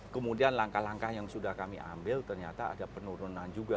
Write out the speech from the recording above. kemudian langkah langkah yang sudah kami ambil ternyata ada penurunan juga